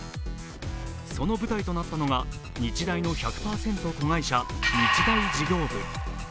その舞台となったのが、日大の１００％子会社、日大事業部。